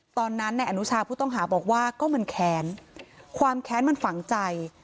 ตอนนั้นเนี่ยอนุวัฒน์ผู้ต้องหาบอกว่าก็มันแขนความแขนมันฝังใจ